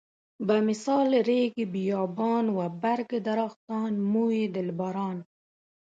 بمثال ريګ بيابان و برګ درختان موی دلبران.